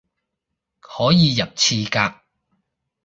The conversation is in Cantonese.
可以入廁格